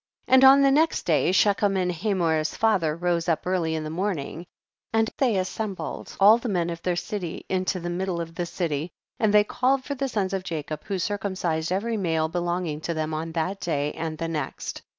51. And on the next day, She chem and Hamor his father rose up early in the morning, and they as sembled all the men of their city in to the middle of the city, and they called for the sons of Jacob, who cir numcised every male belonging to them on that day and the next.